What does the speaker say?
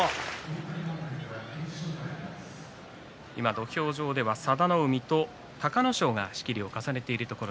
土俵上、佐田の海と隆の勝が仕切りを重ねています。